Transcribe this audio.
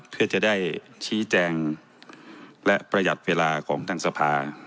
เพื่อจะได้ชี้แจงและประหยัดเวลาของทางสภา